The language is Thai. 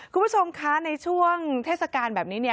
คุณผู้ชมคะในช่วงเทศกาลแบบนี้